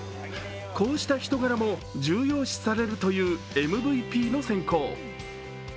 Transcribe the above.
こうした人柄も重要視されるというＭＶＰの選考。